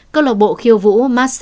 cơ lộ bộ khiêu vũ massage